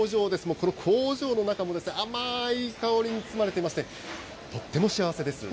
この工場の中も、甘い香りに包まれていまして、とっても幸せです。